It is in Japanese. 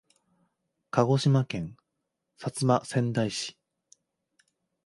鹿児島県薩摩川内市